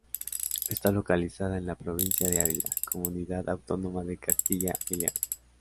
Está localizada en la provincia de Ávila, comunidad autónoma de Castilla y León.